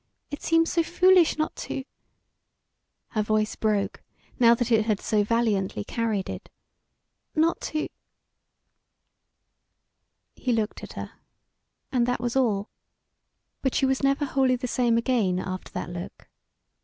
It seems so foolish not to" her voice broke, now that it had so valiantly carried it "not to " He looked at her, and that was all. But she was never wholly the same again after that look.